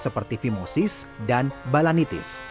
seperti fimosis dan balanitis